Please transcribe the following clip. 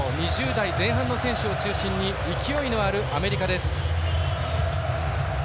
２０代前半の選手を中心に勢いのあるアメリカです。